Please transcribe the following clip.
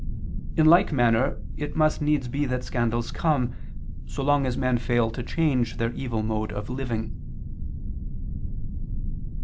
In like manner it must needs be that scandals come, so long as men fail to change their evil mode of living.